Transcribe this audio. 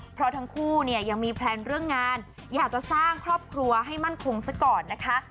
เพราะทั้งคู่เนี่ยยังมีแพลนเรื่องงานอยากจะสร้างครอบครัวให้มั่นคงซะก่อนนะคะ